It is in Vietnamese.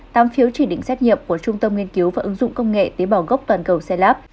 tám phiếu chỉ định xét nghiệm của trung tâm nghiên cứu và ứng dụng công nghệ tế bào gốc toàn cầu xe lab